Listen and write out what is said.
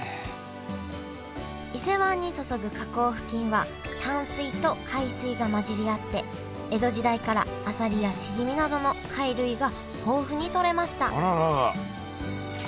伊勢湾に注ぐ河口付近は淡水と海水が混じり合って江戸時代からあさりやしじみなどの貝類が豊富にとれました